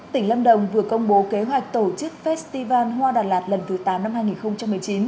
tỉnh lâm đồng vừa công bố kế hoạch tổ chức festival hoa đà lạt lần thứ tám năm hai nghìn một mươi chín